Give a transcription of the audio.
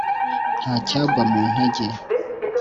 nta cyagwa mu ntege